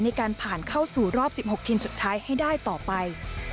ในการผ่านเข้าสู่รอบ๑๖ทีมสุดท้ายให้ได้ต่อไป